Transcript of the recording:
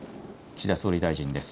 岸田総理大臣です。